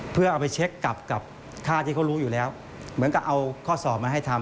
เพื่อเอาไปเช็คกลับกับท่าที่เขารู้อยู่แล้วเหมือนกับเอาข้อสอบมาให้ทำ